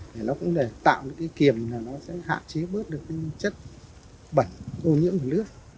để nó cũng tạo những kiềm để hạ chế bớt được chất bẩn ô nhiễm của nước